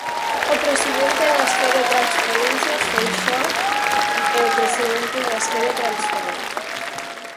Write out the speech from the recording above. O presidente das cero transferencias Feixóo é o presidente das cero transferencias.